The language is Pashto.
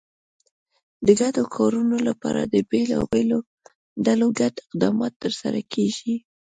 د ګډو کارونو لپاره د بېلابېلو ډلو ګډ اقدامات ترسره کېږي.